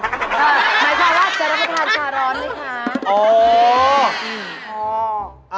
เออหมายความว่าจะเรามาทานชาร้อนไหมค่ะ